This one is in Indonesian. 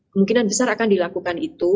kemungkinan besar akan dilakukan itu